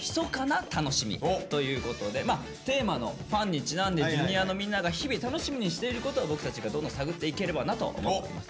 ということでテーマの「ＦＵＮ」にちなんでＪｒ．のみんなが日々楽しみにしていることを僕たちがどんどん探っていければなと思っております。